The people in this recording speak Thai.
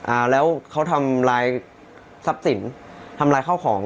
อ่าแล้วเขาทำลายทรัพย์สินทำลายข้าวของ